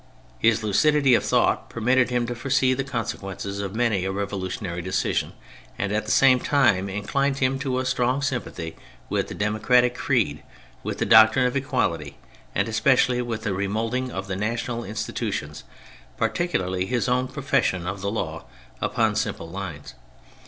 His lucidity of thought permitted him to foresee the consequences of many a revolu tionary decision, and at the same time in clined him to a strong sympathy with the democratic creed, with the doctrine of equality, and especially with the remoulding of the national institutions — particularly his own profession of the law — upon simple lines.